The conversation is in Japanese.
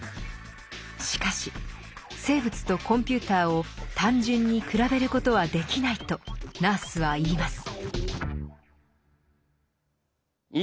しかし生物とコンピューターを単純に比べることはできないとナースは言います。